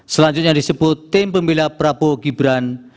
selanjutnya disebut tim pembela prabowo gibran